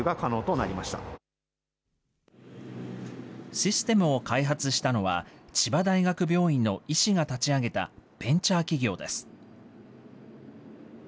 システムを開発したのは、千葉大学病院の医師が立ち上げたベンチャー企業です。